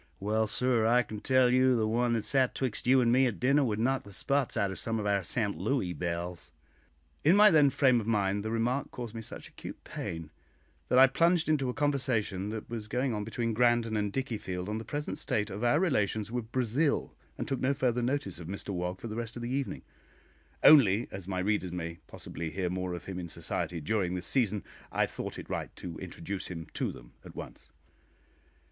"Well, sir, I can tell you the one that sat 'twixt you and me at dinner would knock the spots out of some of our 'Sent' Louis belles." In my then frame of mind the remark caused me such acute pain that I plunged into a conversation that was going on between Grandon and Dickiefield on the present state of our relations with Brazil, and took no further notice of Mr Wog for the rest of the evening; only, as my readers may possibly hear more of him in society during this season, I have thought it right to introduce him to them at once.